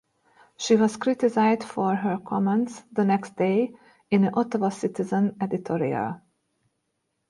She was criticized for her comments the next day in an "Ottawa Citizen" editorial.